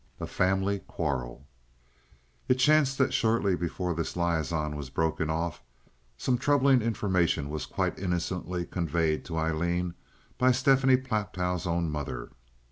A Family Quarrel It chanced that shortly before this liaison was broken off, some troubling information was quite innocently conveyed to Aileen by Stephanie Platow's own mother.